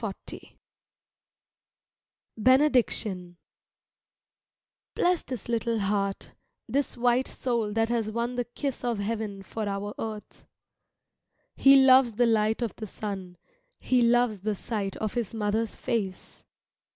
jpg] BENEDICTION Bless this little heart, this white soul that has won the kiss of heaven for our earth. He loves the light of the sun, he loves the sight of his mother's face.